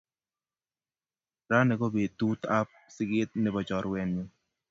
Raini ko betutab sigeet nebo chorwenyu.